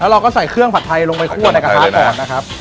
เราก็ใส่เครื่องผัดไทยลงไปคั่วในกระทะก่อนนะครับ